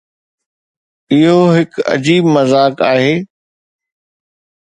اهو هڪ عجيب مذاق آهي.